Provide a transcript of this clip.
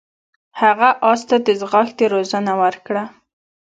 هغه اس ته د ځغاستې روزنه ورکړه.